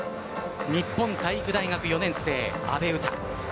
日本体育大学４年生、阿部詩。